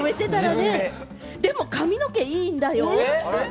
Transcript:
でも、髪の毛いいんだよ。